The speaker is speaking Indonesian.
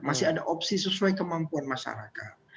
masih ada opsi sesuai kemampuan masyarakat